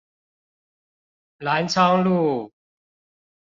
藍昌路